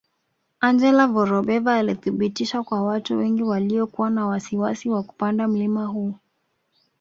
Angela Vorobeva alithibitisha kwa watu wengi waliokuwa na wasiwasi wa kupanda mlima huu